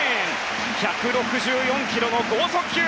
１６４キロの豪速球！